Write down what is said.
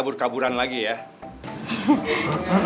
koska mau jadi pilih kondisi di renang